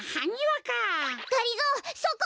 がりぞーそこ！